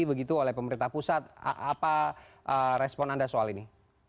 begitu oleh pemerintah pusat apa respon anda soal ini